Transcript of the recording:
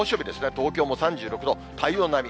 東京も３６度、体温並み。